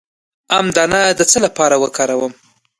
د ام دانه د څه لپاره وکاروم؟